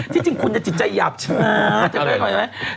ที่จริงคุณจะจิตใจหยับชะมัด